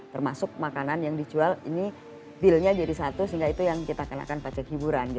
termasuk makanan yang dijual ini dealnya jadi satu sehingga itu yang kita kenakan pajak hiburan